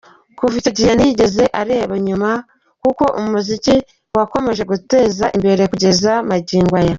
Kuva icyo gihe ntiyigeze areba inyuma, kuko umuziki wakomeje gutera imbere kugeza magingo aya.